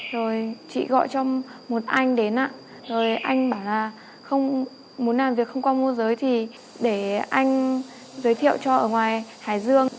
rồi chị gọi cho một anh đến ạ rồi anh bảo là không muốn làm việc không qua môi giới thì để anh giới thiệu cho ở ngoài hải dương